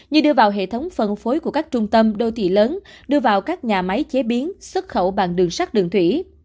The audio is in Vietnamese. như đưa vào hệ thống phân phối của các trung tâm đô thị lớn đưa vào các nhà máy chế biến xuất khẩu bằng đường sắt đường thủy